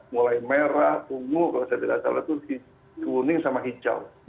mulai merah ungu kalau saya tidak salah itu kuning sama hijau